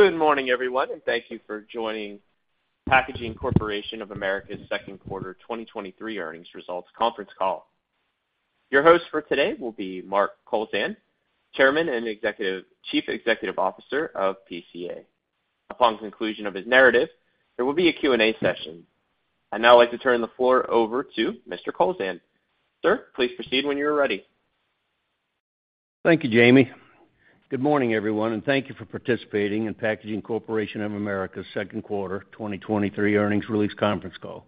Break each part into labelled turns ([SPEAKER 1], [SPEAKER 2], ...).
[SPEAKER 1] Good morning, everyone, thank you for joining Packaging Corporation of America's second quarter 2023 earnings results conference call. Your host for today will be Mark Kowlzan, Chairman and Chief Executive Officer of PCA. Upon conclusion of his narrative, there will be a Q&A session. I'd now like to turn the floor over to Mr. Kowlzan. Sir, please proceed when you're ready.
[SPEAKER 2] Thank you, Jamie. Good morning, everyone, and thank you for participating in Packaging Corporation of America's second quarter 2023 earnings release conference call.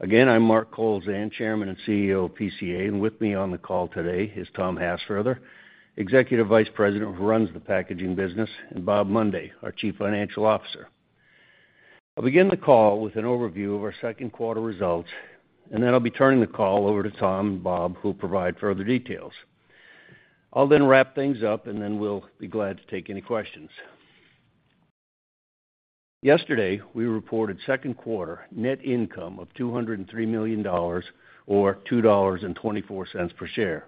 [SPEAKER 2] Again, I'm Mark Kowlzan, Chairman and CEO of PCA, and with me on the call today is Tom Hassfurther, Executive Vice President, who runs the packaging business, and Bob Mundy, our Chief Financial Officer. I'll begin the call with an overview of our second quarter results. I'll then be turning the call over to Tom and Bob, who will provide further details. I'll then wrap things up, and we'll be glad to take any questions. Yesterday, we reported second quarter net income of $203 million or $2.24 per share.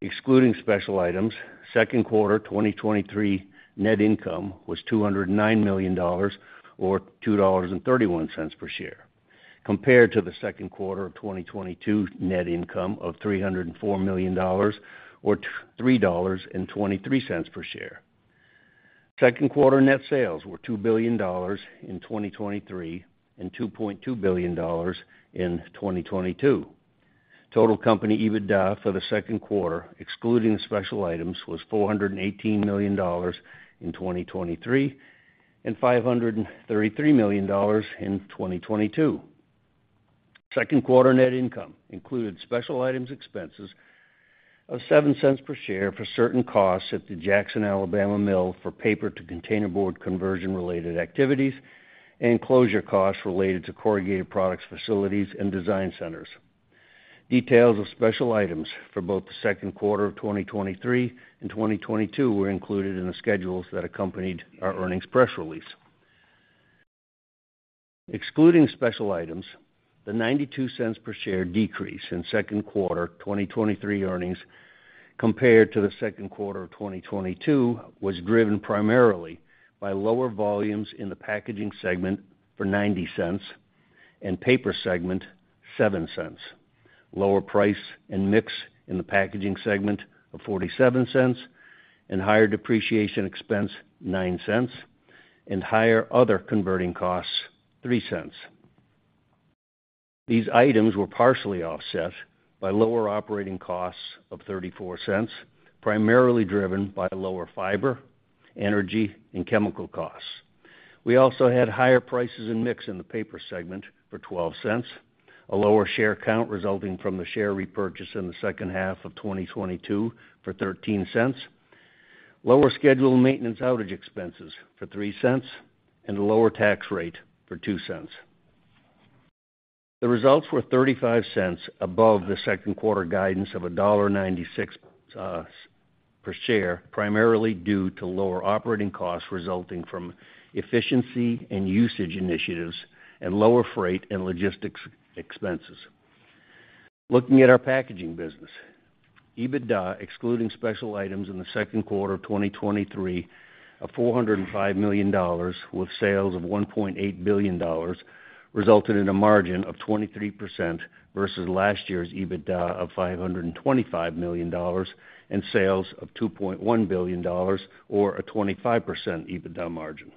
[SPEAKER 2] Excluding special items, second quarter 2023 net income was $209 million or $2.31 per share, compared to the second quarter of 2022 net income of $304 million or $3.23 per share. Second quarter net sales were $2 billion in 2023 and $2.2 billion in 2022. Total company EBITDA for the second quarter, excluding the special items, was $418 million in 2023 and $533 million in 2022. Second quarter net income included special items expenses of $0.07 per share for certain costs at the Jackson, Alabama mill for paper to containerboard conversion-related activities and closure costs related to corrugated products, facilities, and design centers. Details of special items for both the second quarter of 2023 and 2022 were included in the schedules that accompanied our earnings press release. Excluding special items, the $0.92 per share decrease in second quarter 2023 earnings compared to the second quarter of 2022 was driven primarily by lower volumes in the packaging segment for $0.90 and paper segment $0.07. Lower price and mix in the packaging segment of $0.47, and higher depreciation expense, $0.09, and higher other converting costs, $0.03. These items were partially offset by lower operating costs of $0.34, primarily driven by lower fiber, energy, and chemical costs. We also had higher prices and mix in the paper segment for $0.12, a lower share count resulting from the share repurchase in the second half of 2022 for $0.13, lower scheduled maintenance outage expenses for $0.03, and a lower tax rate for $0.02. The results were $0.35 above the second quarter guidance of $1.96 per share, primarily due to lower operating costs resulting from efficiency and usage initiatives and lower freight and logistics expenses. Looking at our packaging business, EBITDA, excluding special items in the second quarter of 2023 of $405 million, with sales of $1.8 billion, resulted in a margin of 23% versus last year's EBITDA of $525 million and sales of $2.1 billion or a 25% EBITDA margin.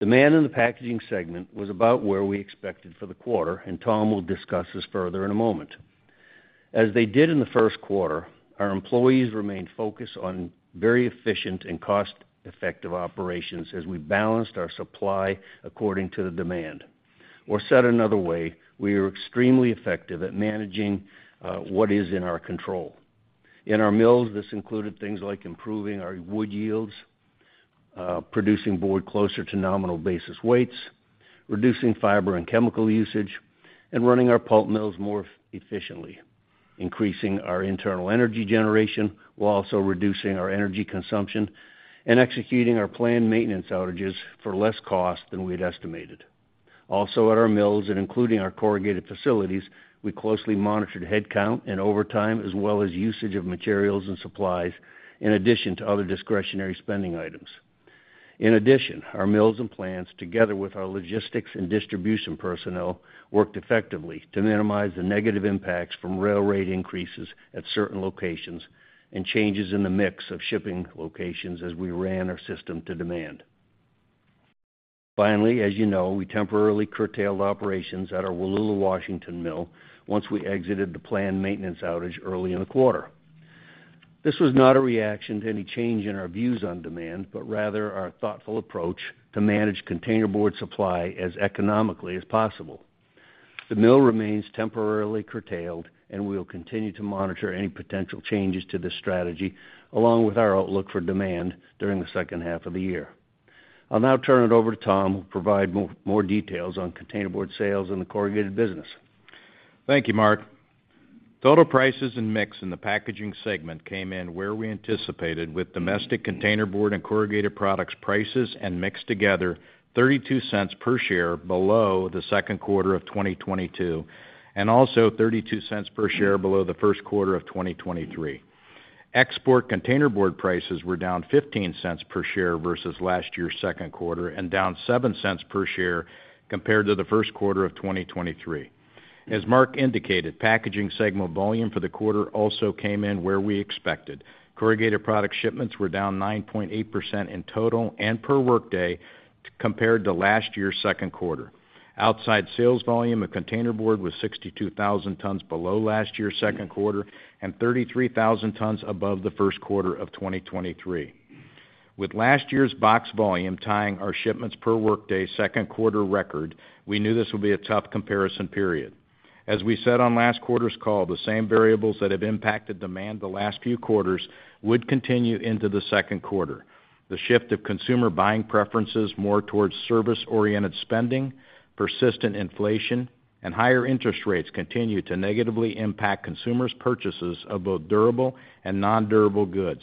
[SPEAKER 2] Demand in the packaging segment was about where we expected for the quarter, and Tom will discuss this further in a moment. As they did in the 1st quarter, our employees remained focused on very efficient and cost-effective operations as we balanced our supply according to the demand. Said another way, we are extremely effective at managing what is in our control. In our mills, this included things like improving our wood yields, producing board closer to nominal basis weights, reducing fiber and chemical usage, and running our pulp mills more efficiently, increasing our internal energy generation while also reducing our energy consumption, and executing our planned maintenance outages for less cost than we had estimated. At our mills, and including our corrugated facilities, we closely monitored headcount and overtime, as well as usage of materials and supplies, in addition to other discretionary spending items. In addition, our mills and plants, together with our logistics and distribution personnel, worked effectively to minimize the negative impacts from rail rate increases at certain locations and changes in the mix of shipping locations as we ran our system to demand. Finally, as you know, we temporarily curtailed operations at our Wallula, Washington mill once we exited the planned maintenance outage early in the quarter. This was not a reaction to any change in our views on demand, but rather our thoughtful approach to manage containerboard supply as economically as possible. The mill remains temporarily curtailed, and we will continue to monitor any potential changes to this strategy, along with our outlook for demand during the second half of the year. I'll now turn it over to Tom, who will provide more details on containerboard sales in the corrugated business.
[SPEAKER 3] Thank you, Mark. Total prices and mix in the packaging segment came in where we anticipated with domestic containerboard and corrugated products, prices, and mixed together $0.32 per share below the second quarter of 2022, and also $0.32 per share below the first quarter of 2023.... export containerboard prices were down $0.15 per share versus last year's second quarter, and down $0.07 per share compared to the first quarter of 2023. As Mark indicated, packaging segment volume for the quarter also came in where we expected. Corrugated product shipments were down 9.8% in total and per workday compared to last year's second quarter. Outside sales volume of containerboard was 62,000 tons below last year's second quarter and 33,000 tons above the first quarter of 2023. With last year's box volume tying our shipments per workday second quarter record, we knew this would be a tough comparison period. As we said on last quarter's call, the same variables that have impacted demand the last few quarters would continue into the second quarter. The shift of consumer buying preferences more towards service-oriented spending, persistent inflation, and higher interest rates continue to negatively impact consumers' purchases of both durable and nondurable goods.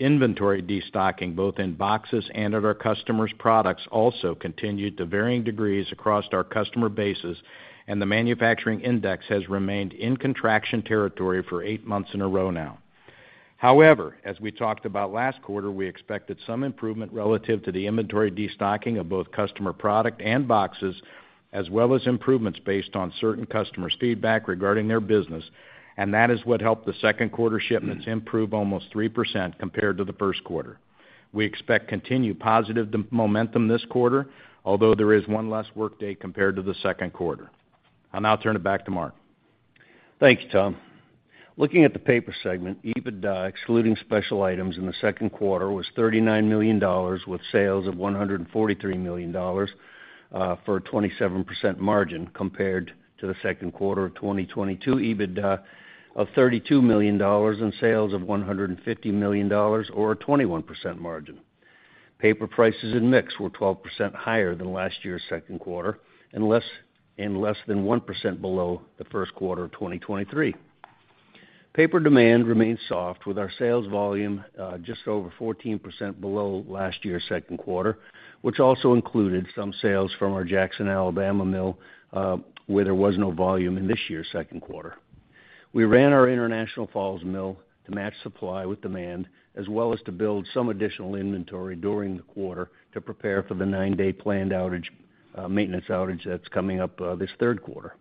[SPEAKER 3] Inventory destocking, both in boxes and at our customers' products, also continued to varying degrees across our customer bases. The manufacturing index has remained in contraction territory for eight months in a row now. However, as we talked about last quarter, we expected some improvement relative to the inventory destocking of both customer product and boxes, as well as improvements based on certain customers' feedback regarding their business. That is what helped the second quarter shipments improve almost 3% compared to the first quarter. We expect continued positive momentum this quarter, although there is one less workday compared to the second quarter. I'll now turn it back to Mark.
[SPEAKER 2] Thank you, Tom. Looking at the paper segment, EBITDA, excluding special items in the second quarter, was $39 million, with sales of $143 million, for a 27% margin compared to the second quarter of 2022 EBITDA of $32 million and sales of $150 million or a 21% margin. Paper prices and mix were 12% higher than last year's second quarter, and less than 1% below the first quarter of 2023. Paper demand remains soft, with our sales volume, just over 14% below last year's second quarter, which also included some sales from our Jackson, Alabama mill, where there was no volume in this year's second quarter. We ran our International Falls mill to match supply with demand, as well as to build some additional inventory during the quarter to prepare for the nine-day planned outage, maintenance outage that's coming up this third quarter.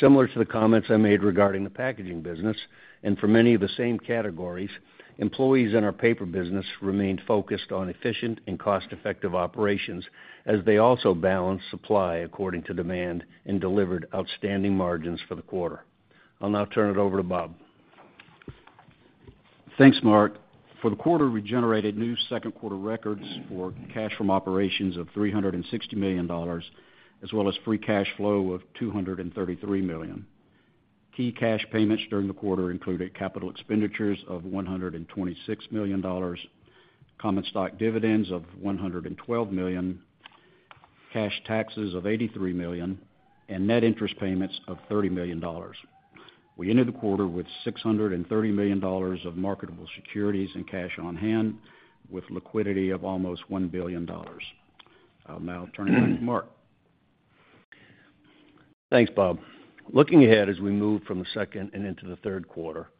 [SPEAKER 2] Similar to the comments I made regarding the packaging business, and for many of the same categories, employees in our paper business remained focused on efficient and cost-effective operations as they also balanced supply according to demand and delivered outstanding margins for the quarter. I'll now turn it over to Bob.
[SPEAKER 4] Thanks, Mark. For the quarter, we generated new second quarter records for cash from operations of $360 million, as well as free cash flow of $233 million. Key cash payments during the quarter included capital expenditures of $126 million, common stock dividends of $112 million, cash taxes of $83 million, and net interest payments of $30 million. We ended the quarter with $630 million of marketable securities and cash on hand, with liquidity of almost $1 billion. I'll now turn it back to Mark.
[SPEAKER 2] Thanks, Bob. Looking ahead as we move from the second and into the third quarter,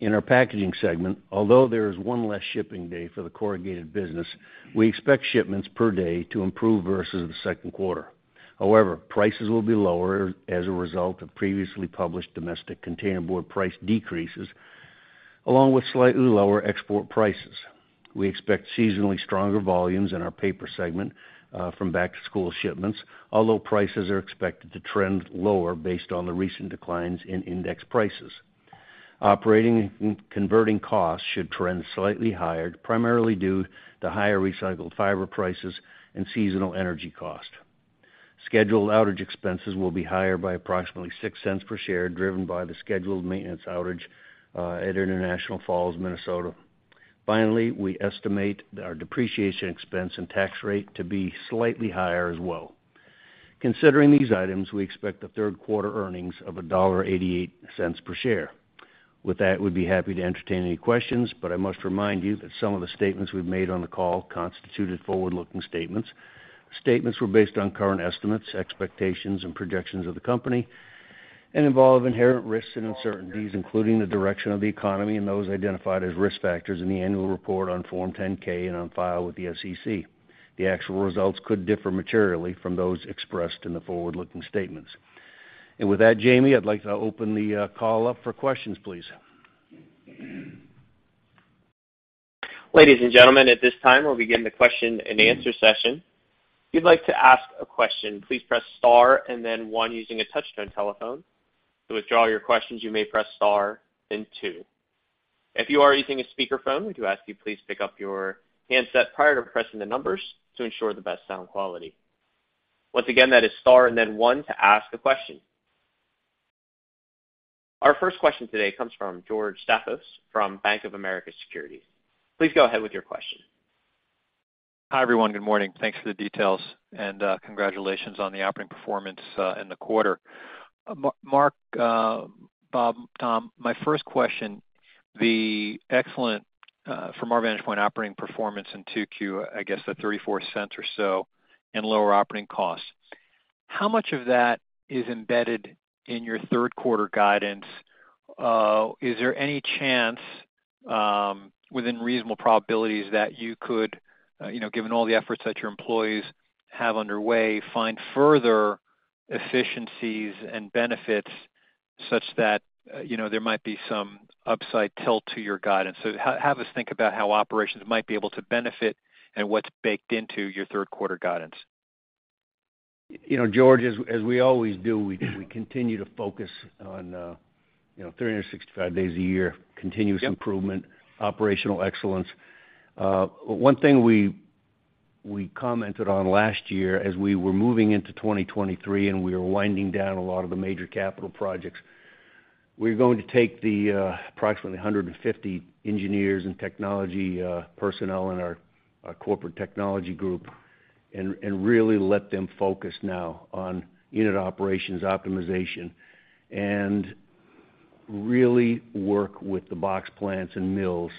[SPEAKER 2] in our packaging segment, although there is one less shipping day for the corrugated business, we expect shipments per day to improve versus the second quarter. Prices will be lower as a result of previously published domestic containerboard price decreases, along with slightly lower export prices. We expect seasonally stronger volumes in our paper segment, from back-to-school shipments, although prices are expected to trend lower based on the recent declines in index prices. Operating and converting costs should trend slightly higher, primarily due to higher recycled fiber prices and seasonal energy cost. Scheduled outage expenses will be higher by approximately $0.06 per share, driven by the scheduled maintenance outage at International Falls, Minnesota. We estimate our depreciation expense and tax rate to be slightly higher as well. Considering these items, we expect the third quarter earnings of $1.88 per share. We'd be happy to entertain any questions, but I must remind you that some of the statements we've made on the call constituted forward-looking statements. Statements were based on current estimates, expectations, and projections of the company and involve inherent risks and uncertainties, including the direction of the economy and those identified as risk factors in the annual report on Form 10-K and on file with the SEC. The actual results could differ materially from those expressed in the forward-looking statements. With that, Jamie, I'd like to open the call up for questions, please.
[SPEAKER 1] Ladies and gentlemen, at this time, we'll begin the question-and-answer session. If you'd like to ask a question, please press star and then one using a touch-tone telephone. To withdraw your questions, you may press star, then two. If you are using a speakerphone, we do ask you please pick up your handset prior to pressing the numbers to ensure the best sound quality. Once again, that is star and then one to ask a question. Our first question today comes from George Staphos from Bank of America Securities. Please go ahead with your question.
[SPEAKER 5] Hi, everyone. Good morning. Thanks for the details, and congratulations on the operating performance in the quarter. Mark, Bob, Tom, my first question: the excellent, from our vantage point, operating performance in 2Q, I guess, the $0.34 or so and lower operating costs. How much of that is embedded in your third quarter guidance? Is there any chance, within reasonable probabilities, that you could, you know, given all the efforts that your employees have underway, find further efficiencies and benefits such that, you know, there might be some upside tilt to your guidance? Have us think about how operations might be able to benefit and what's baked into your third quarter guidance.
[SPEAKER 2] You know, George, as we always do, we continue to focus on, you know, 365 days a year.
[SPEAKER 5] Yep
[SPEAKER 2] improvement, operational excellence. One thing we commented on last year as we were moving into 2023, and we were winding down a lot of the major capital projects, we're going to take the approximately 150 engineers and technology personnel in our corporate technology group and really let them focus now on unit operations optimization, and really work with the box plants and mills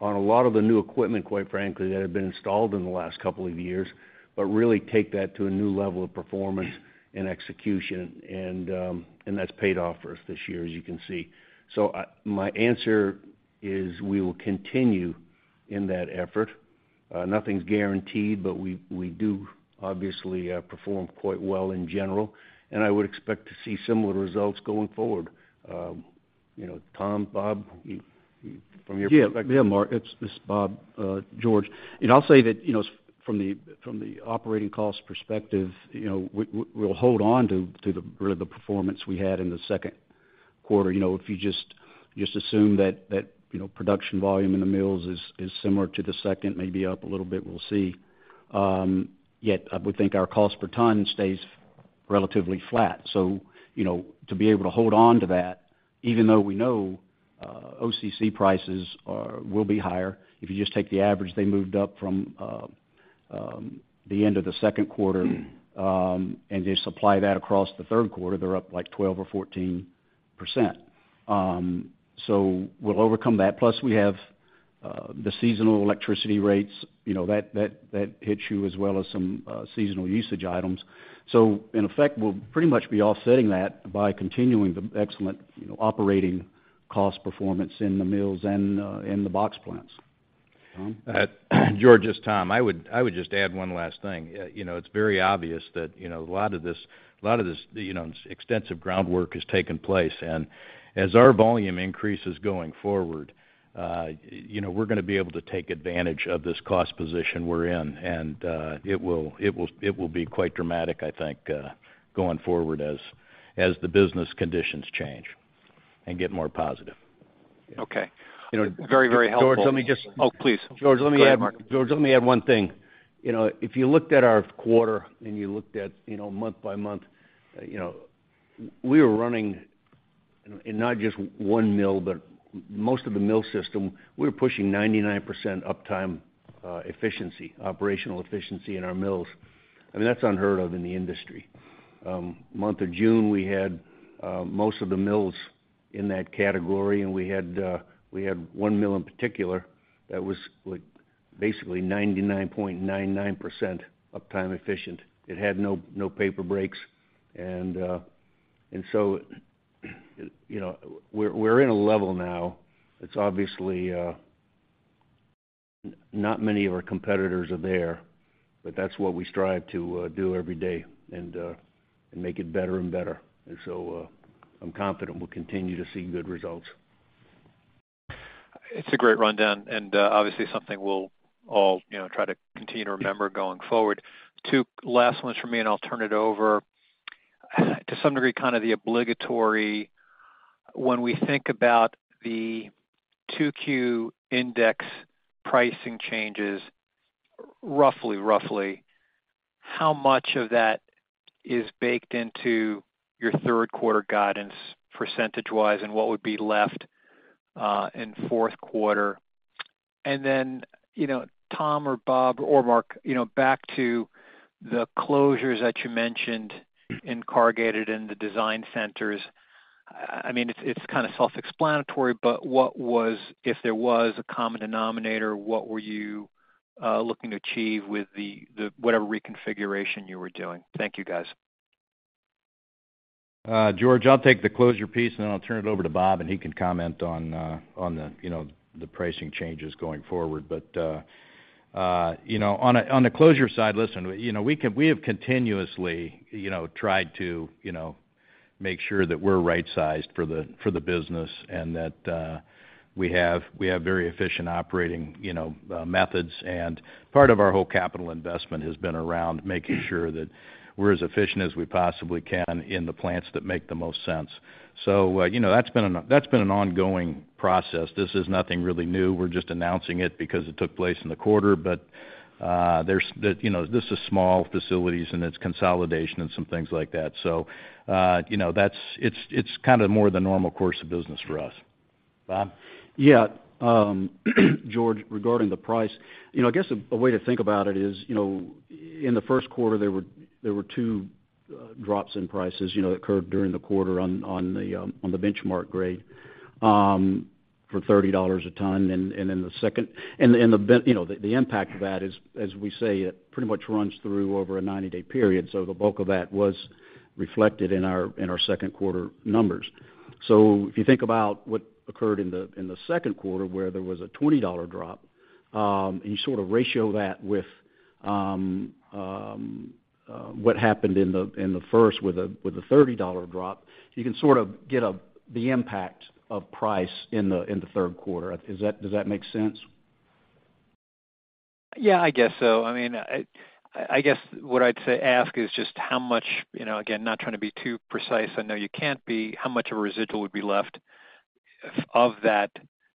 [SPEAKER 2] on a lot of the new equipment, quite frankly, that have been installed in the last couple of years, but really take that to a new level of performance and execution. That's paid off for us this year, as you can see. My answer is, we will continue in that effort. Nothing's guaranteed, but we do obviously perform quite well in general, and I would expect to see similar results going forward. You know, Tom, Bob, you from your perspective?
[SPEAKER 4] Yeah, yeah, Mark, it's Bob, George. I'll say that, you know, from the operating cost perspective, you know, we'll hold on to the really the performance we had in the second quarter. You know, if you just assume that, you know, production volume in the mills is similar to the second, maybe up a little bit, we'll see. Yet I would think our cost per ton stays relatively flat. You know, to be able to hold on to that, even though we know OCC prices are, will be higher. If you just take the average, they moved up from the end of the second quarter and just supply that across the third quarter, they're up, like, 12% or 14%. We'll overcome that. Plus, we have the seasonal electricity rates, you know, that hits you, as well as some seasonal usage items. In effect, we'll pretty much be offsetting that by continuing the excellent, you know, operating cost performance in the mills and in the box plants. Tom?
[SPEAKER 3] George, it's Tom. I would just add one last thing. You know, it's very obvious that, you know, a lot of this, you know, extensive groundwork has taken place. As our volume increases going forward, you know, we're gonna be able to take advantage of this cost position we're in, and it will be quite dramatic, I think, going forward as the business conditions change and get more positive.
[SPEAKER 5] Okay.
[SPEAKER 2] You know.
[SPEAKER 5] Very, very helpful.
[SPEAKER 2] George, let me.
[SPEAKER 5] Oh, please.
[SPEAKER 2] George, let me add.
[SPEAKER 5] Go ahead, Mark.
[SPEAKER 2] George, let me add one thing. You know, if you looked at our quarter and you looked at, you know, month by month, you know, we were running, and not just one mill, but most of the mill system, we were pushing 99% uptime, efficiency, operational efficiency in our mills. I mean, that's unheard of in the industry. Month of June, we had most of the mills in that category, and we had one mill, in particular, that was, like, basically 99.99% uptime efficient. It had no paper breaks. You know, we're in a level now, it's obviously not many of our competitors are there, but that's what we strive to do every day and make it better and better. I'm confident we'll continue to see good results.
[SPEAKER 5] It's a great rundown and, obviously something we'll all, you know, try to continue to remember going forward. 2 last ones for me, and I'll turn it over. To some degree, kind of the obligatory, when we think about the 2Q index pricing changes, roughly, how much of that is baked into your 3rd quarter guidance percentage-wise, and what would be left in 4th quarter? Then, you know, Tom or Bob or Mark, you know, back to the closures that you mentioned in corrugated and the design centers. I mean, it's kind of self-explanatory, but what was... If there was a common denominator, what were you looking to achieve with the whatever reconfiguration you were doing? Thank you, guys.
[SPEAKER 3] George, I'll take the closure piece, and then I'll turn it over to Bob, and he can comment on the, you know, the pricing changes going forward. On a, on the closure side, listen, you know, we have continuously, you know, tried to, you know, make sure that we're right-sized for the business, and that we have very efficient operating, you know, methods. Part of our whole capital investment has been around making sure that we're as efficient as we possibly can in the plants that make the most sense. That's been an ongoing process. This is nothing really new. We're just announcing it because it took place in the quarter. you know, this is small facilities, and it's consolidation and some things like that. you know, it's kind of more the normal course of business for us. Bob?
[SPEAKER 4] Yeah, George, regarding the price, you know, I guess a way to think about it is, you know, in the first quarter, there were 2 drops in prices, you know, that occurred during the quarter on the, on the benchmark grade....
[SPEAKER 2] for $30 a ton, then the second. The, you know, the impact of that is, as we say, it pretty much runs through over a 90-day period. The bulk of that was reflected in our, in our second quarter numbers. If you think about what occurred in the second quarter, where there was a $20 drop, and you sort of ratio that with what happened in the first with a $30 drop, you can sort of get the impact of price in the third quarter. Does that make sense?
[SPEAKER 5] Yeah, I guess so. I mean, I guess what I'd ask is just how much, you know, again, not trying to be too precise, I know you can't be. How much of a residual would be left of that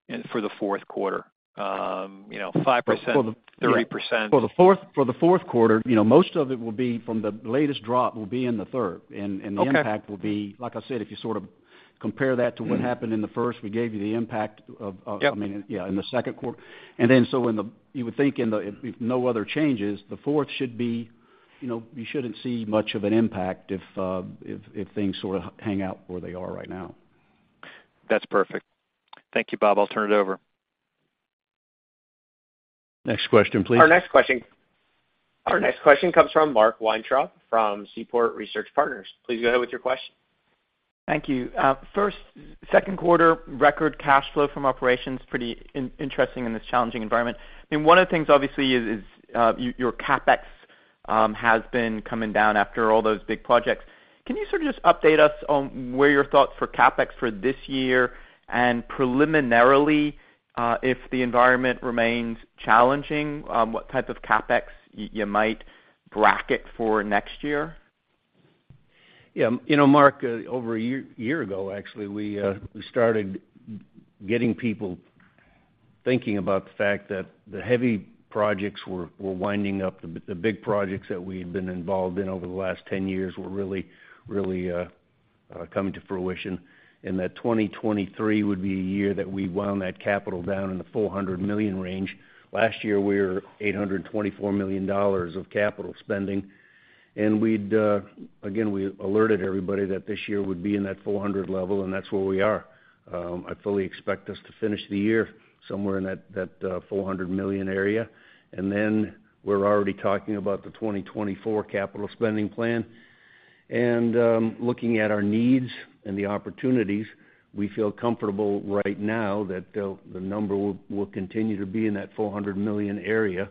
[SPEAKER 5] and for the fourth quarter? you know, 5%, 30%?
[SPEAKER 2] For the fourth quarter, you know, most of it will be from the latest drop, will be in the third.
[SPEAKER 5] Okay.
[SPEAKER 4] The impact will be. Like I said, if you sort of compare that to what happened in the first, we gave you the impact of.
[SPEAKER 5] Yep.
[SPEAKER 4] I mean, yeah, in the second quarter. You would think in the, if no other changes, the fourth should be, you know, you shouldn't see much of an impact if things sort of hang out where they are right now.
[SPEAKER 5] That's perfect. Thank you, Bob. I'll turn it over.
[SPEAKER 1] Next question, please. Our next question comes from Mark Weintraub, from Seaport Research Partners. Please go ahead with your question.
[SPEAKER 6] Thank you. First, second quarter record cash flow from operations, pretty interesting in this challenging environment. One of the things, obviously, is your CapEx has been coming down after all those big projects. Can you sort of just update us on where are your thoughts for CapEx for this year? Preliminarily, if the environment remains challenging, what type of CapEx you might bracket for next year?
[SPEAKER 2] Yeah. You know, Mark, over a year ago, actually, we started getting people thinking about the fact that the heavy projects were winding up. The big projects that we had been involved in over the last 10 years were really coming to fruition, and that 2023 would be a year that we wound that capital down in the $400 million range. Last year, we were $824 million of capital spending, and we'd again, we alerted everybody that this year would be in that $400 level, and that's where we are. I fully expect us to finish the year somewhere in that $400 million area. Then we're already talking about the 2024 capital spending plan. Looking at our needs and the opportunities, we feel comfortable right now that the number will continue to be in that $400 million area,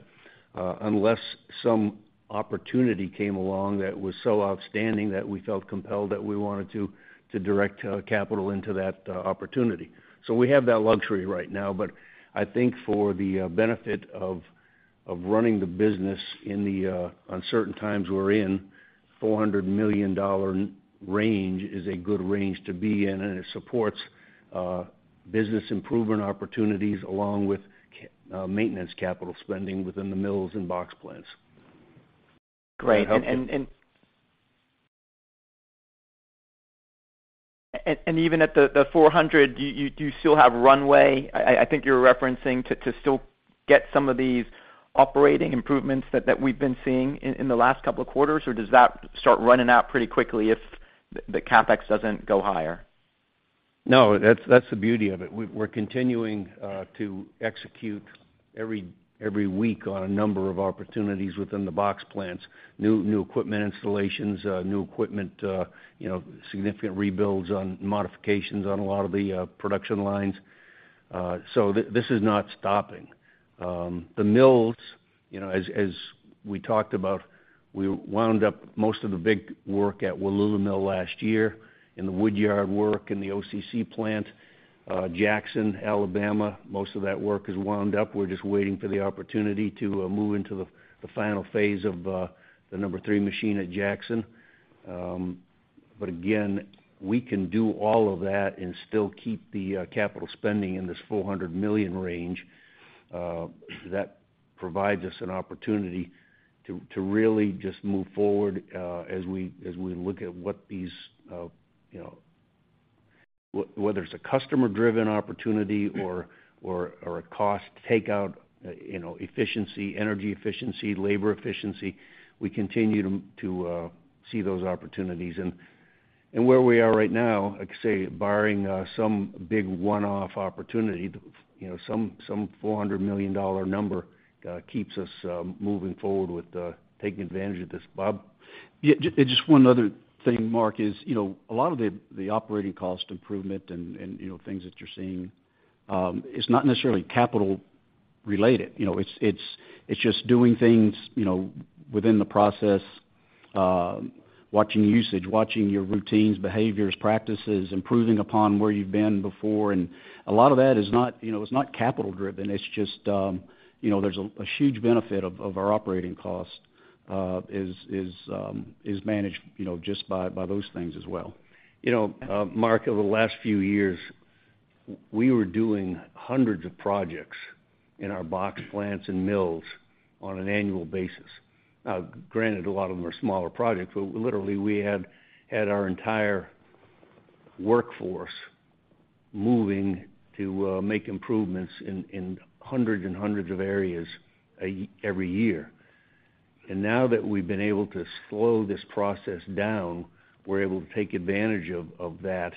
[SPEAKER 2] unless some opportunity came along that was so outstanding that we felt compelled, that we wanted to direct capital into that opportunity. We have that luxury right now. I think for the benefit of running the business in the uncertain times we're in, $400 million range is a good range to be in, and it supports business improvement opportunities, along with maintenance capital spending within the mills and box plants.
[SPEAKER 6] Great.
[SPEAKER 2] Does that help?
[SPEAKER 6] Even at the 400, do you still have runway? I think you're referencing to still get some of these operating improvements that we've been seeing in the last couple of quarters, or does that start running out pretty quickly if the CapEx doesn't go higher?
[SPEAKER 2] No, that's the beauty of it. We're continuing to execute every week on a number of opportunities within the box plants, new equipment installations, new equipment, you know, significant rebuilds on modifications on a lot of the production lines. This is not stopping. The mills, you know, as we talked about, we wound up most of the big work at Wallula Mill last year in the woodyard work, in the OCC plant, Jackson, Alabama, most of that work is wound up. We're just waiting for the opportunity to move into the final phase of the number three machine at Jackson. Again, we can do all of that and still keep the capital spending in this $400 million range. That provides us an opportunity to really just move forward as we look at what these, you know, whether it's a customer-driven opportunity or a cost takeout, you know, efficiency, energy efficiency, labor efficiency, we continue to see those opportunities. Where we are right now, like I say, barring some big one-off opportunity, you know, some $400 million number keeps us moving forward with taking advantage of this. Bob, just one other thing, Mark, is, you know, a lot of the operating cost improvement and, you know, things that you're seeing is not necessarily capital related. You know, it's just doing things, you know, within the process, watching usage, watching your routines, behaviors, practices, improving upon where you've been before. A lot of that is not, you know, it's not capital driven. It's just, you know, there's a huge benefit of our operating cost is managed, you know, just by those things as well. You know, Mark, over the last few years, we were doing hundreds of projects in our box plants and mills on an annual basis. Now, granted, a lot of them are smaller projects, but literally, we had our entire workforce moving to make improvements in hundreds and hundreds of areas every year. Now that we've been able to slow this process down, we're able to take advantage of that,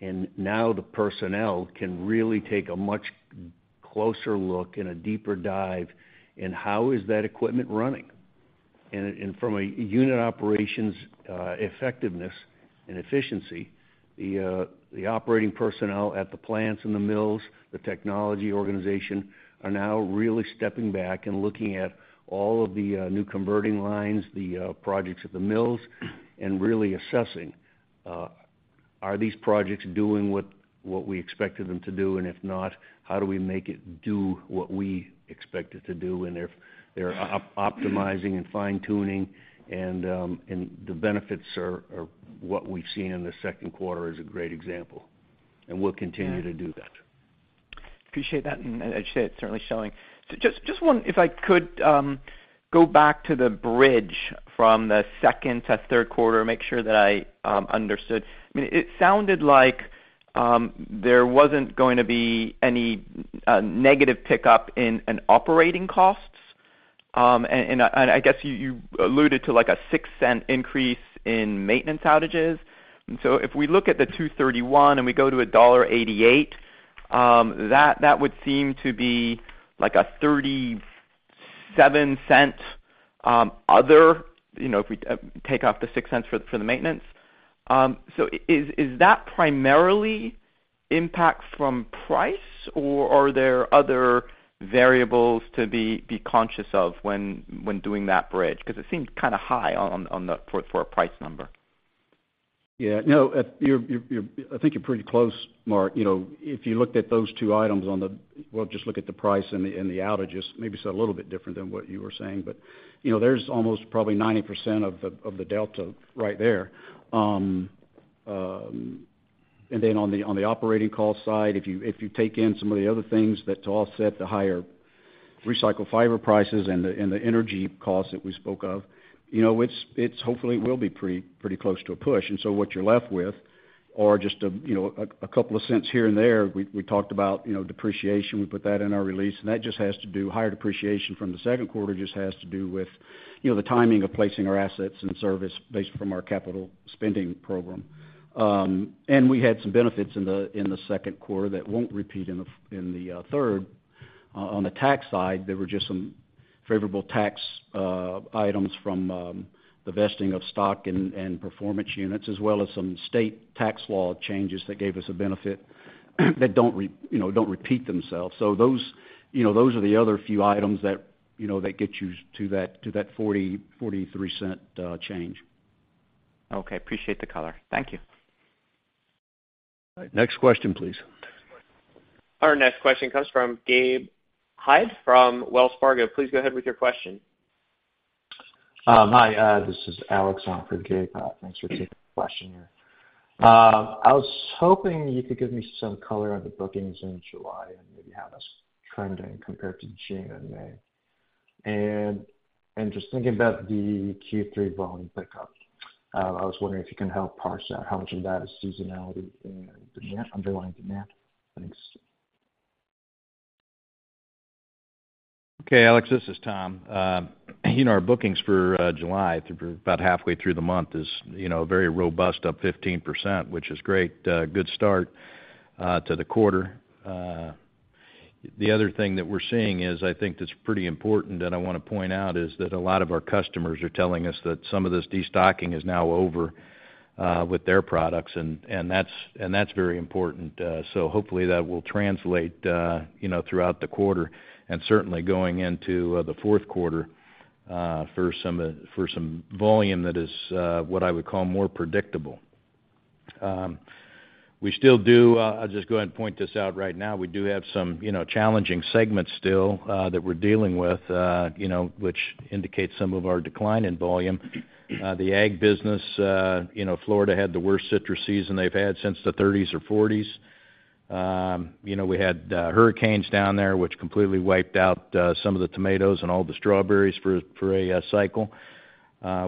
[SPEAKER 2] and now the personnel can really take a much closer look and a deeper dive in how is that equipment running? From a unit operations effectiveness and efficiency, the operating personnel at the plants and the mills, the technology organization, are now really stepping back and looking at all of the new converting lines, the projects at the mills, and really assessing, are these projects doing what we expected them to do? If not, how do we make it do what we expect it to do? They're optimizing and fine-tuning, and the benefits are what we've seen in the second quarter is a great example, and we'll continue to do that.
[SPEAKER 6] Appreciate that, I'd say it's certainly showing. Just one, if I could, go back to the bridge from the second to third quarter, make sure that I understood. I mean, it sounded like there wasn't going to be any negative pickup in operating costs. I guess you alluded to, like, a $0.06 increase in maintenance outages. If we look at the 231 and we go to a $1.88, that would seem to be like a $0.37 other, you know, if we take off the $0.06 for the maintenance. Is that primarily impact from price, or are there other variables to be conscious of when doing that bridge? Because it seems kind of high on for a price number.
[SPEAKER 4] Yeah. No, you're, I think you're pretty close, Mark. You know, if you looked at those two items. Well, just look at the price and the outages, maybe it's a little bit different than what you were saying, but, you know, there's almost probably 90% of the delta right there. Then on the operating call side, if you take in some of the other things that to offset the higher recycled fiber prices and the energy costs that we spoke of, you know, it's hopefully will be pretty close to a push. What you're left with are just, you know, a couple of cents here and there. We talked about, you know, depreciation. We put that in our release, that just has to do, higher depreciation from the second quarter, just has to do with, you know, the timing of placing our assets and service based from our capital spending program. We had some benefits in the second quarter that won't repeat in the third. On the tax side, there were just some favorable tax items from the vesting of stock and performance units, as well as some state tax law changes that gave us a benefit, that don't, you know, don't repeat themselves. Those, you know, those are the other few items that, you know, that get you to that, to that $0.40-$0.43 change.
[SPEAKER 6] Okay, appreciate the color. Thank you.
[SPEAKER 4] Next question, please.
[SPEAKER 1] Our next question comes from Gabe Hajde from Wells Fargo. Please go ahead with your question.
[SPEAKER 7] Hi, this is Alex on for Gabe. Thanks for taking the question here. I was hoping you could give me some color on the bookings in July, and maybe how that's trending compared to June and May. Just thinking about the Q3 volume pickup, I was wondering if you can help parse out how much of that is seasonality and demand, underlying demand. Thanks.
[SPEAKER 3] Okay, Alex, this is Tom. You know, our bookings for July, through about halfway through the month is, you know, very robust, up 15%, which is great, good start to the quarter. The other thing that we're seeing is, I think that's pretty important, and I wanna point out, is that a lot of our customers are telling us that some of this destocking is now over with their products, and that's very important. Hopefully that will translate, you know, throughout the quarter and certainly going into the fourth quarter for some volume that is what I would call more predictable. We still do, I'll just go ahead and point this out right now. We do have some, you know, challenging segments still, that we're dealing with, you know, which indicates some of our decline in volume. The ag business, you know, Florida had the worst citrus season they've had since the '30s or '40s. You know, we had hurricanes down there, which completely wiped out some of the tomatoes and all the strawberries for a cycle.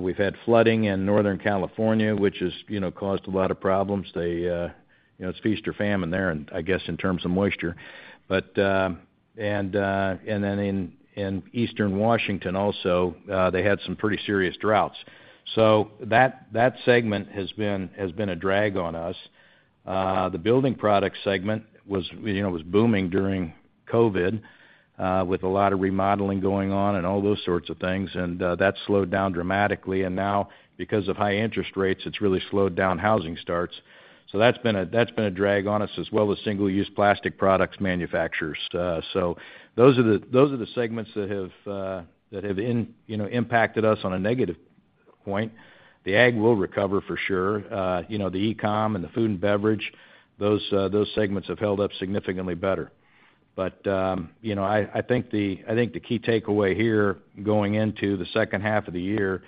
[SPEAKER 3] We've had flooding in Northern California, which has, you know, caused a lot of problems. They, you know, it's feast or famine there, and I guess, in terms of moisture. Then in Eastern Washington also, they had some pretty serious droughts. That segment has been a drag on us. The building product segment was, you know, was booming during COVID, with a lot of remodeling going on and all those sorts of things, that slowed down dramatically. Now, because of high interest rates, it's really slowed down housing starts. That's been a, that's been a drag on us as well as single-use plastic products manufacturers. Those are the, those are the segments that have, you know, impacted us on a negative point. The ag will recover for sure. You know, the e-com and the food and beverage, those segments have held up significantly better. You know, I think the key takeaway here, going into the second half of the year, is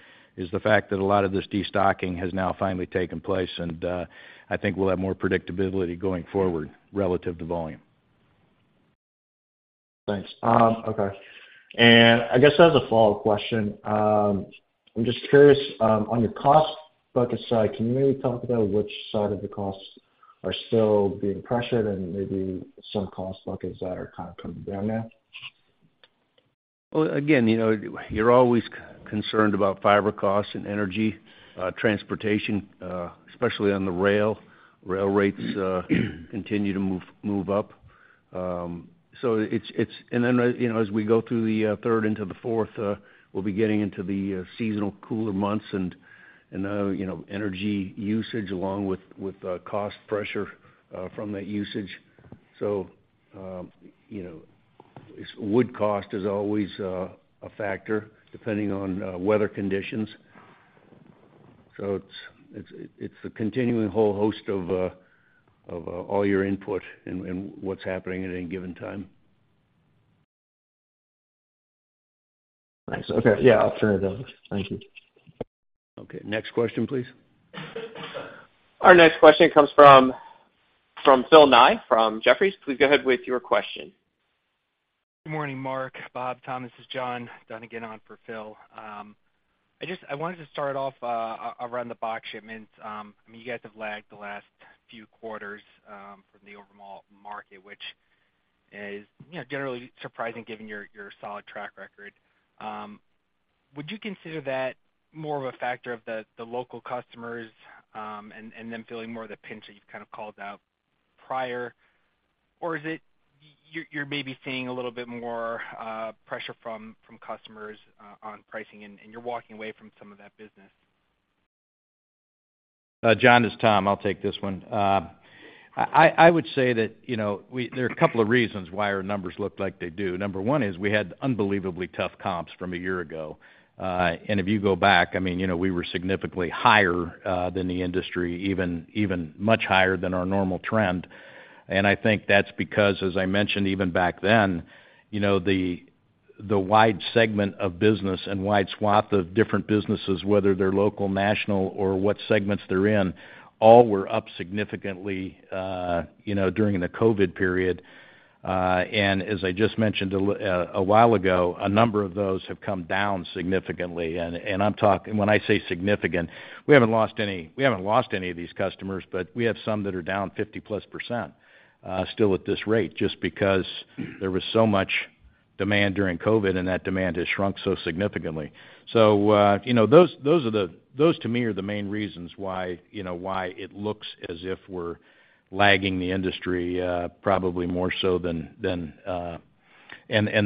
[SPEAKER 3] the fact that a lot of this destocking has now finally taken place, and I think we'll have more predictability going forward relative to volume.
[SPEAKER 7] Thanks. Okay. I guess as a follow-up question, I'm just curious, on your cost focus side, can you maybe talk about which side of the... are still being pressured and maybe some cost buckets that are kind of coming down now?
[SPEAKER 2] Well, again, you know, you're always concerned about fiber costs and energy, transportation, especially on the rail. Rail rates continue to move up. You know, as we go through the third into the fourth, we'll be getting into the seasonal cooler months, and, you know, energy usage along with cost pressure from that usage. You know, wood cost is always a factor depending on weather conditions. It's a continuing whole host of all your input and, what's happening at any given time.
[SPEAKER 1] Thanks. Okay. Yeah, I'll turn it over. Thank you.
[SPEAKER 2] Okay, next question, please.
[SPEAKER 1] Our next question comes from Phil Ng, from Jefferies. Please go ahead with your question.
[SPEAKER 8] Good morning, Mark, Bob, Tom. This is John Donegan on for Phil. I wanted to start off around the box shipments. You guys have lagged the last few quarters from the overall market, which is, you know, generally surprising given your solid track record. Would you consider that more of a factor of the local customers, and them feeling more of the pinch that you've kind of called out prior? Or is it you're maybe seeing a little bit more pressure from customers on pricing, and you're walking away from some of that business?
[SPEAKER 3] John, it's Tom, I'll take this one. I would say that, you know, there are a couple of reasons why our numbers look like they do. Number one is we had unbelievably tough comps from a year ago. If you go back, I mean, you know, we were significantly higher than the industry, even much higher than our normal trend. I think that's because, as I mentioned, even back then, you know, the wide segment of business and wide swath of different businesses, whether they're local, national, or what segments they're in, all were up significantly, you know, during the COVID period. As I just mentioned a while ago, a number of those have come down significantly. I'm talking... When I say significant, we haven't lost any of these customers, but we have some that are down 50-plus %, still at this rate, just because there was so much demand during COVID, and that demand has shrunk so significantly. You know, those, to me, are the main reasons why, you know, why it looks as if we're lagging the industry, probably more so than. The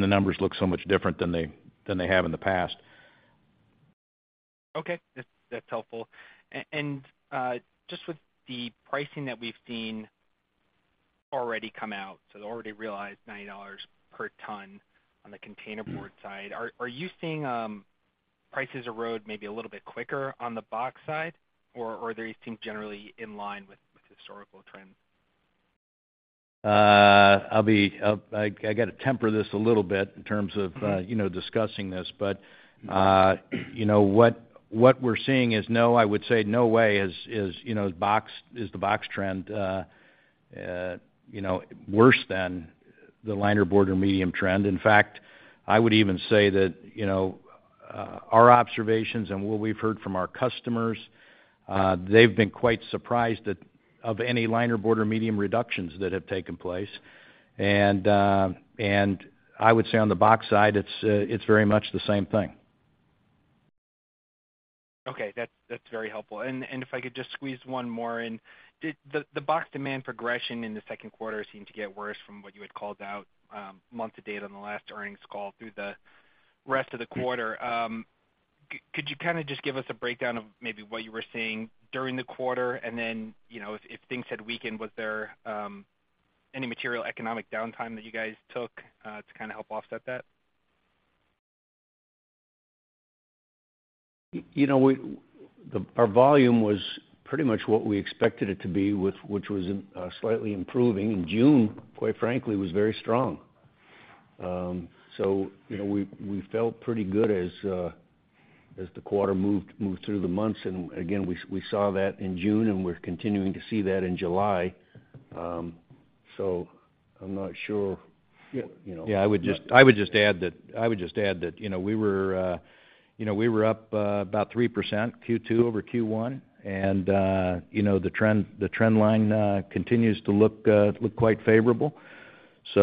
[SPEAKER 3] numbers look so much different than they have in the past.
[SPEAKER 8] Okay, that's helpful. Just with the pricing that we've seen already come out, so the already realized $90 per ton on the containerboard side, are you seeing prices erode maybe a little bit quicker on the box side, or are they staying generally in line with historical trends?
[SPEAKER 3] I got to temper this a little bit in terms of, you know, discussing this. What we're seeing is no, I would say no way is, you know, is the box trend, you know, worse than the linerboard or medium trend. In fact, I would even say that, you know, our observations and what we've heard from our customers, they've been quite surprised that of any linerboard or medium reductions that have taken place. I would say on the box side, it's very much the same thing.
[SPEAKER 8] Okay, that's very helpful. If I could just squeeze one more in. Did the box demand progression in the second quarter seem to get worse from what you had called out month to date on the last earnings call through the rest of the quarter? Could you kind of just give us a breakdown of maybe what you were seeing during the quarter, and then, you know, if things had weakened, was there any material economic downtime that you guys took to kind of help offset that?
[SPEAKER 3] You know, our volume was pretty much what we expected it to be, which was slightly improving, and June, quite frankly, was very strong. You know, we felt pretty good as the quarter moved through the months. Again, we saw that in June, and we're continuing to see that in July. I'm not sure, you know. Yeah, I would just add that, you know, we were up about 3% Q2 over Q1, and, you know, the trend line continues to look quite favorable. You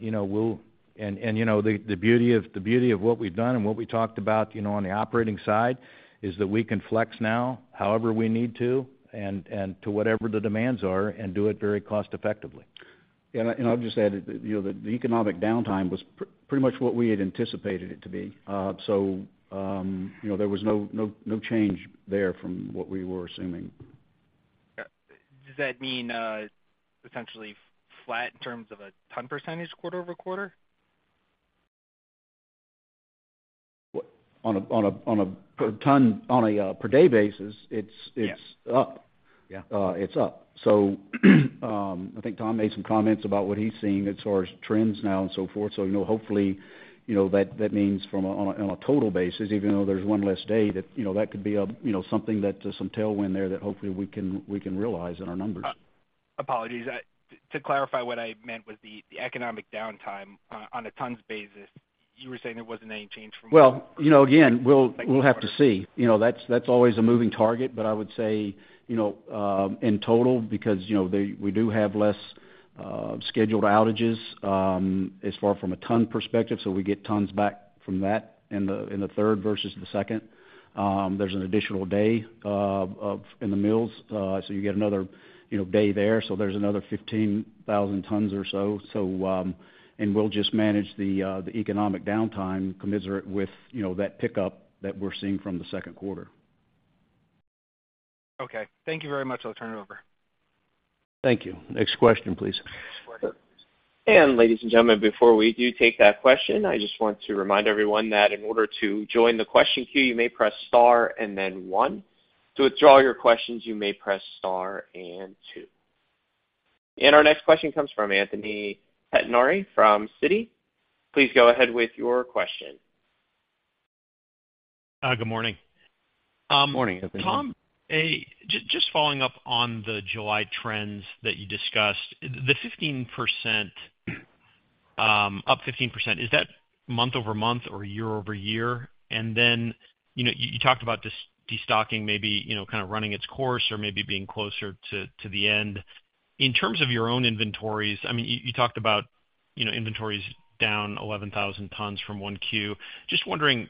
[SPEAKER 3] know, we'll. You know, the beauty of what we've done and what we talked about, you know, on the operating side, is that we can flex now however we need to and to whatever the demands are, and do it very cost effectively.
[SPEAKER 2] I, and I'll just add, you know, the economic downtime was pretty much what we had anticipated it to be. You know, there was no change there from what we were assuming.
[SPEAKER 8] does that mean essentially flat in terms of a ton percentage quarter-over-quarter?
[SPEAKER 2] On a per ton, on a per day basis.
[SPEAKER 8] Yeah.
[SPEAKER 2] it's up.
[SPEAKER 3] Yeah.
[SPEAKER 2] It's up. I think Tom made some comments about what he's seeing as far as trends now and so forth. You know, hopefully, you know, that means from a on a, on a total basis, even though there's one less day, that, you know, that could be a, you know, something that, some tailwind there that hopefully we can, we can realize in our numbers.
[SPEAKER 8] Apologies. To clarify what I meant was the economic downtime on a tons basis?... you were saying there wasn't any change from-
[SPEAKER 6] You know, again, we'll have to see. You know, that's always a moving target, but I would say, you know, in total, because, you know, we do have less scheduled outages, as far from a ton perspective, so we get tons back from that in the, in the third versus the second. There's an additional day in the mills, so you get another, you know, day there, so there's another 15,000 tons or so. And we'll just manage the economic downtime commensurate with, you know, that pickup that we're seeing from the second quarter.
[SPEAKER 8] Okay. Thank you very much. I'll turn it over.
[SPEAKER 6] Thank you. Next question, please.
[SPEAKER 1] Ladies and gentlemen, before we do take that question, I just want to remind everyone that in order to join the question queue, you may press Star and then 1. To withdraw your questions, you may press Star and 2. Our next question comes from Anthony Pettinari from Citi. Please go ahead with your question.
[SPEAKER 9] Good morning.
[SPEAKER 3] Good morning, Anthony.
[SPEAKER 9] Tom, just following up on the July trends that you discussed, the 15%, up 15%, is that month-over-month or year-over-year? Then, you know, you talked about this destocking maybe, you know, kind of running its course or maybe being closer to the end. In terms of your own inventories, I mean, you talked about, you know, inventories down 11,000 tons from 1Q. Just wondering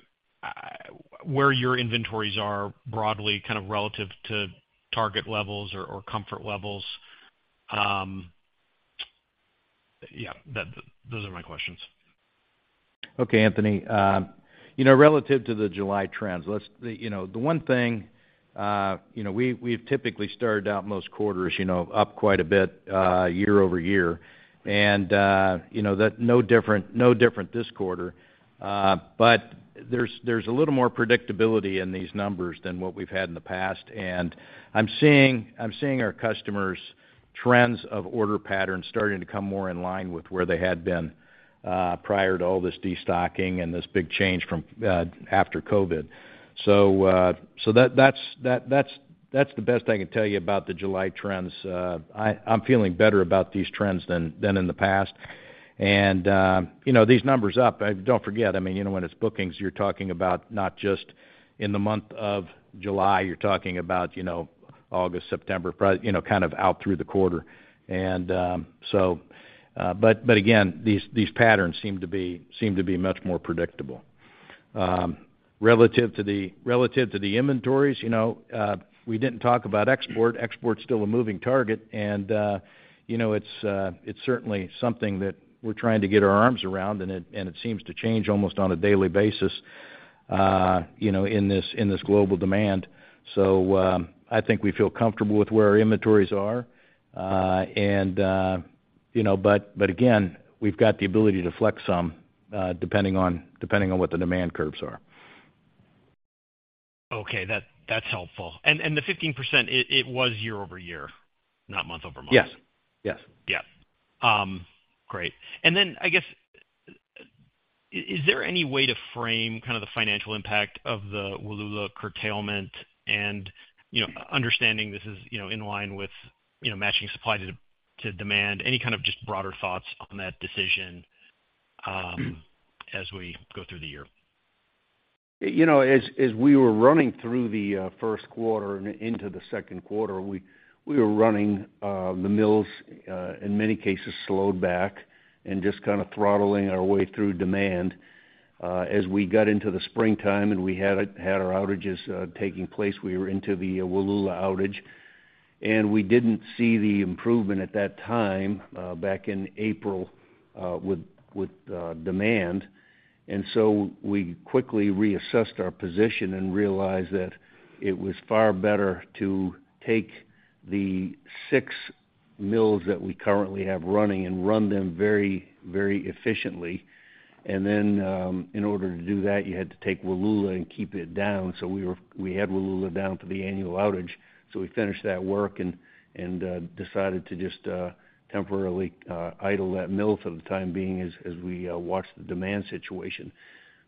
[SPEAKER 9] where your inventories are broadly kind of relative to target levels or comfort levels. Yeah, those are my questions.
[SPEAKER 3] Anthony. You know, relative to the July trends, let's, you know, the one thing, you know, we've typically started out most quarters, you know, up quite a bit year-over-year. You know, that no different, no different this quarter. There's a little more predictability in these numbers than what we've had in the past, and I'm seeing our customers' trends of order patterns starting to come more in line with where they had been prior to all this destocking and this big change from after COVID. So that's the best I can tell you about the July trends. I'm feeling better about these trends than in the past. These numbers up, don't forget, when it's bookings, you're talking about not just in the month of July, you're talking about August, September, kind of out through the quarter. But again, these patterns seem to be much more predictable. Relative to the inventories, we didn't talk about export. Export's still a moving target, it's certainly something that we're trying to get our arms around, and it seems to change almost on a daily basis in this global demand. I think we feel comfortable with where our inventories are. You know, but again, we've got the ability to flex some, depending on, depending on what the demand curves are.
[SPEAKER 9] Okay. That's helpful. The 15%, it was year-over-year, not month-over-month?
[SPEAKER 3] Yes. Yes.
[SPEAKER 9] Yeah, great. Then, I guess, is there any way to frame kind of the financial impact of the Wallula curtailment? You know, understanding this is, you know, in line with, you know, matching supply to demand. Any kind of just broader thoughts on that decision as we go through the year?
[SPEAKER 3] You know, as we were running through the first quarter and into the second quarter, we were running the mills, in many cases, slowed back and just kind of throttling our way through demand. As we got into the springtime, and we had our outages taking place, we were into the Wallula outage, and we didn't see the improvement at that time, back in April, with demand. So we quickly reassessed our position and realized that it was far better to take the six mills that we currently have running and run them very, very efficiently. Then, in order to do that, you had to take Wallula and keep it down. We had Wallula down for the annual outage, we finished that work and decided to just temporarily idle that mill for the time being as we watched the demand situation.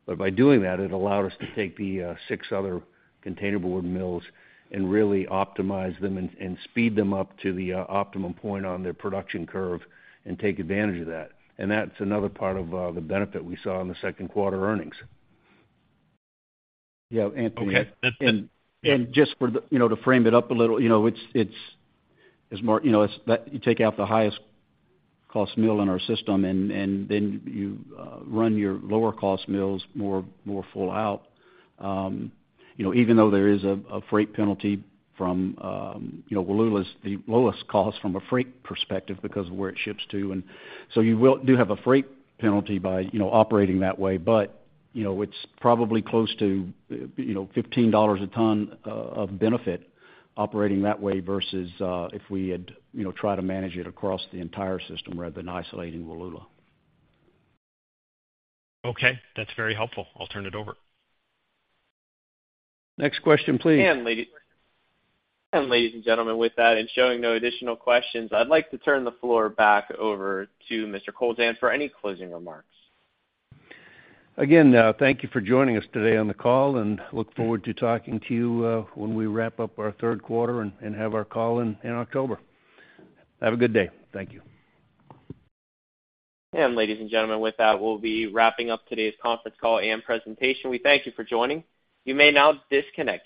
[SPEAKER 3] By doing that, it allowed us to take the six other containerboard mills and really optimize them and speed them up to the optimum point on their production curve and take advantage of that. That's another part of the benefit we saw in the second quarter earnings. Yeah, Anthony, and just for the, you know, to frame it up a little, you know, it's more, you know, it's that you take out the highest cost mill in our system, and then you run your lower cost mills more full out. You know, even though there is a freight penalty from, you know, Wallula's the lowest cost from a freight perspective because of where it ships to. Do have a freight penalty by, you know, operating that way, but, you know, it's probably close to, you know, $15 a ton of benefit operating that way versus if we had, you know, try to manage it across the entire system rather than isolating Wallula.
[SPEAKER 9] Okay. That's very helpful. I'll turn it over.
[SPEAKER 6] Next question, please.
[SPEAKER 1] Ladies and gentlemen, with that, and showing no additional questions, I'd like to turn the floor back over to Mr. Kowlzan for any closing remarks.
[SPEAKER 2] Again, thank you for joining us today on the call, and look forward to talking to you, when we wrap up our third quarter and have our call in October. Have a good day. Thank you.
[SPEAKER 1] Ladies and gentlemen, with that, we'll be wrapping up today's conference call and presentation. We thank you for joining. You may now disconnect your lines.